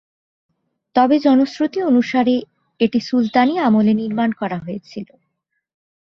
তবে জনশ্রুতি অনুসারে, এটি সুলতানী আমলে নির্মাণ করা হয়েছিল।